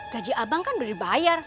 gaji abang kan udah dibayar